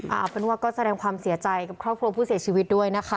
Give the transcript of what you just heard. เอาเป็นว่าก็แสดงความเสียใจกับครอบครัวผู้เสียชีวิตด้วยนะคะ